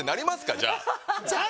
じゃあ。